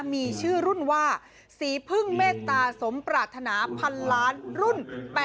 มีชื่อรุ่นว่าสีพึ่งเมตตาสมปรารถนาพันล้านรุ่น๘๐